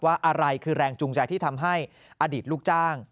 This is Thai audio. อะไรคือแรงจูงใจที่ทำให้อดีตลูกจ้าง